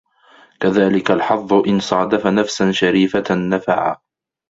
كَذَلِكَ الْحَظُّ إنْ صَادَفَ نَفْسًا شَرِيفَةً نَفَعَ